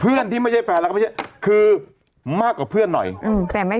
ที่ไม่ใช่แฟนแล้วก็ไม่ใช่คือมากกว่าเพื่อนหน่อยอืมแฟนไม่